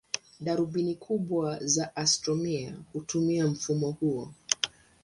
Darubini kubwa za astronomia hutumia mfumo huo.